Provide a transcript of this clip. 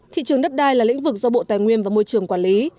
thị trường đất đai là lĩnh vực do bộ tài nguyên và môi trường quản lý